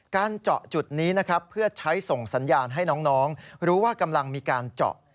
เจาะจุดนี้นะครับเพื่อใช้ส่งสัญญาณให้น้องรู้ว่ากำลังมีการเจาะ